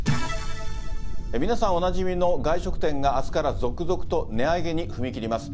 皆さんおなじみの外食店が、あすから続々と値上げに踏み切ります。